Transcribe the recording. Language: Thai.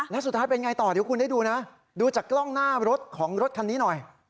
แล้วสุดท้ายเป็นไงต่อเดี๋ยวคุณได้ดูนะดูจากกล้องหน้ารถของรถคันนี้หน่อย